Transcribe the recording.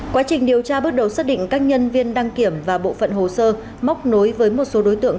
quá trình điều tra bước đầu xác định các nhân viên đăng kiểm và bộ phận hồ sơ móc nối với một số đối tượng